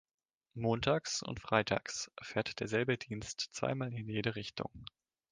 Montags und freitags fährt derselbe Dienst zweimal in jede Richtung.